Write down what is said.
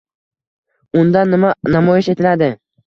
Unda nima namoyish etiladi?